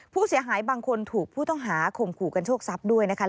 ผู้เสียหายบางคนถูกผู้ต้องหาข่มขู่กันโชคทรัพย์ด้วยนะคะ